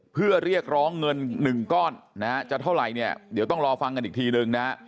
เพื่อเรียกร้องเงินหนึ่งก้อนนะฮะจะเท่าไหร่เนี่ยเดี๋ยวต้องรอฟังกันอีกทีนึงนะฮะ